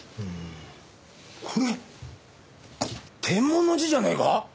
これテンモンの字じゃねえか？